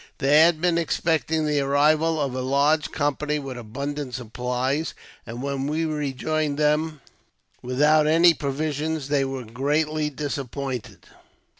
They had been expecting the arrival of a large company with abundant supplies, and when we rejoined them without any provisions, they were greatly disappointed.